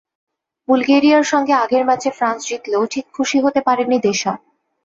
বুলগেরিয়ার সঙ্গে আগের ম্যাচে ফ্রান্স জিতলেও ঠিক খুশি হতে পারেননি দেশম।